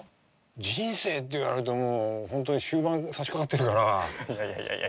人生って言われても本当に終盤さしかかってるから何を。